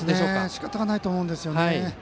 しかたがないと思うんですよね。